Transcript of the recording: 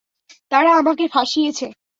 তারা আমাকে ফাঁসিয়েছে।